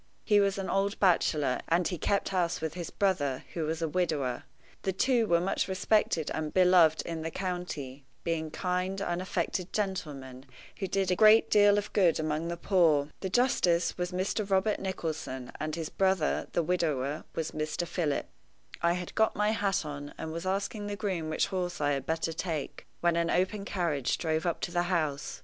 He was an old bachelor, and he kept house with his brother, who was a widower. The two were much respected and beloved in the county, being kind, unaffected gentlemen, who did a great deal of good among the poor. The justice was Mr. Robert Nicholson, and his brother, the widower, was Mr. Philip. I had got my hat on, and was asking the groom which horse I had better take, when an open carriage drove up to the house.